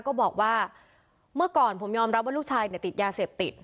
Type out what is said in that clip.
ก็บอกว่าเมื่อก่อนผมยอมรับว่าลูกชายเนี่ยติดยาเสพติด